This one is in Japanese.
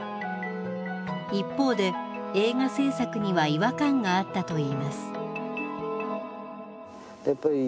一方で映画制作には違和感があったといいます。